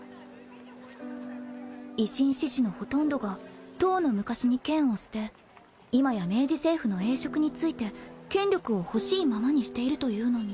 維新志士のほとんどがとうの昔に剣を捨て今や明治政府の栄職に就いて権力をほしいままにしているというのに